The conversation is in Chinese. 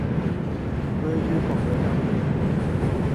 归居广州养母。